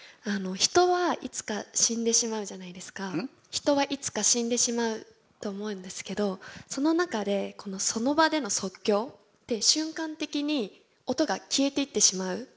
人はいつか死んでしまうと思うんですけどその中でその場での即興って瞬間的に音が消えていってしまう。